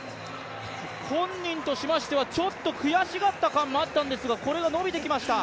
本人としましては、ちょっと悔しがった感ありましたがこれは伸びてきました。